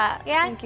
thank you kak